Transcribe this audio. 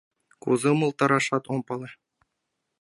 — Кузе умылтарашат ом пале.